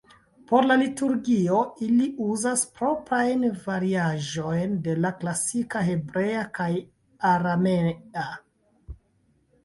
Por la liturgio ili uzas proprajn variaĵojn de la klasika Hebrea kaj Aramea.